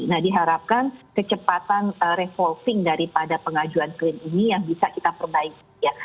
nah diharapkan kecepatan revolving daripada pengajuan klaim ini yang bisa kita perbaiki ya